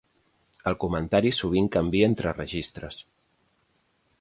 El comentari sovint canvia entre registres.